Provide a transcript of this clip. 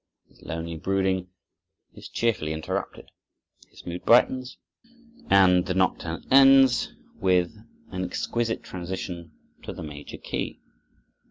His lonely brooding is cheerfully interrupted. His mood brightens and the nocturne ends with an exquisite transition to the major key.